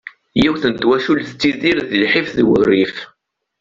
Yiwet n twacult tettidir di lḥif d wurrif.